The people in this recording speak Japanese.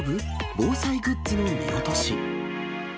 防災グッズの見落とし。